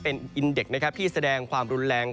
เป็นอินเด็กนะครับที่แสดงความรุนแรง